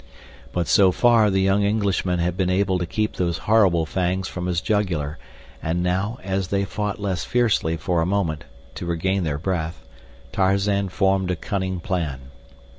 But so far the young Englishman had been able to keep those horrible fangs from his jugular and now, as they fought less fiercely for a moment, to regain their breath, Tarzan formed a cunning plan.